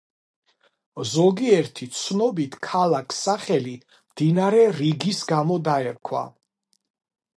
ზოგიერთი ცნობით ქალაქს სახელი მდინარე რიგის გამო დაერქვა.